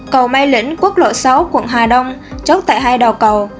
cầu mai lĩnh quốc lộ sáu quận hà đông chốt tại hai đầu cầu